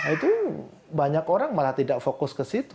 itu banyak orang malah tidak fokus ke situ